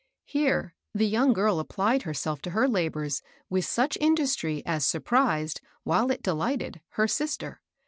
Here the young girl applied herself to her labors with such industry as surprised, while it delighted, her sister.